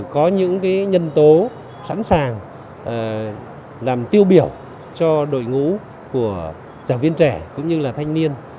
có những nhân tố sẵn sàng làm tiêu biểu cho đội ngũ của giảng viên trẻ cũng như là thanh niên